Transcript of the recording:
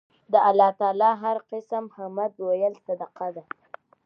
د الله تعالی هر قِسم حمد ويل صدقه ده